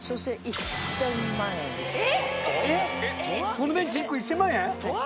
このベンチ１個１０００万円？